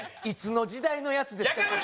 いつの時代のやつですか？